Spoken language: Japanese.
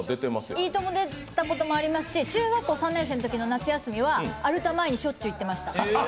「いいとも！」に出ていたこともありますし、中学校３年生の夏休みはアルタ前にしょっちゅう行ってました。